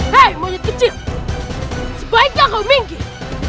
hei monyet kecil sebaiknya kau minggir